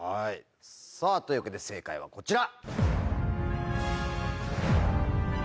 さぁというわけで正解はこちら。